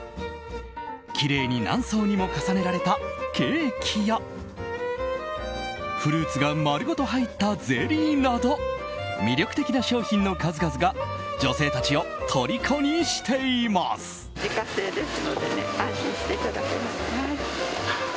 きれいに何層にも重ねられたケーキやフルーツが丸ごと入ったゼリーなど魅力的な商品の数々が女性たちをとりこにしています。